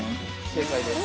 正解です。